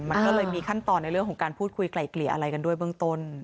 มันก็เลยมีขั้นตอนในเรื่องของการพูดคุยไกล่เกลี่ยอะไรกันด้วยเบื้องต้น